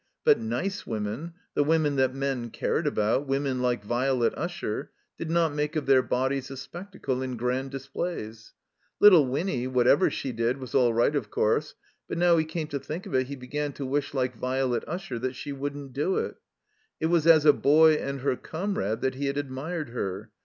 But nice women, the women that men cared about, women like Violet Usher, did not make of their bodies a spectacle in Grand Displays. Little Winny, whatever she did, was all right, of course; but now he came to think of it, he began to wish, like Violet Usher, that she wouldn't do it. It was as a boy and her comrade that he had admired her.